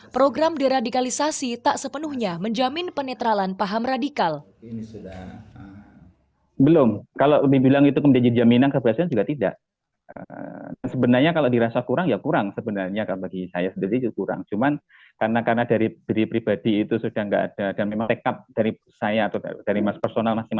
program deradikalisasi tak sepenuhnya menjamin penetralan paham radikal